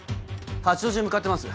八王子へ向かってます